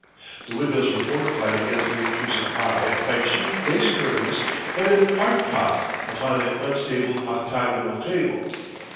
The windows were fortified against the intrusive eye by cheap lace curtains and an "art pot" upon an unstable octagonal table.